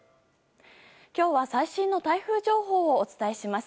今日は最新の台風情報をお伝えします。